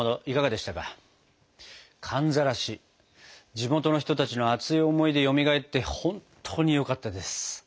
地元の人たちの熱い思いでよみがえって本当によかったです。